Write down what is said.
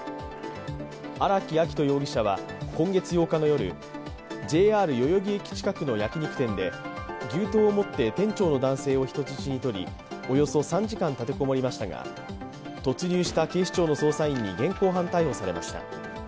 荒木秋冬容疑者は今月８日の夜ＪＲ代々木駅近くの焼き肉店で牛刀を持って店長の男性を人質にとりおよそ３時間立て籠もりましたが突入した警視庁の捜査員に現行犯逮捕されました。